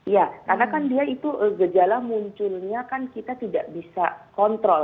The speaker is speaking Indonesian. ya karena kan dia itu gejala munculnya kan kita tidak bisa kontrol